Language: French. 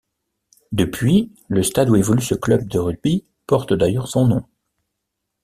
Depuis, le stade où évolue ce club de rugby porte d’ailleurs son nom.